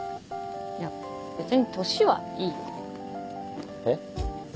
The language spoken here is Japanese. いや別に年はいいよ。え？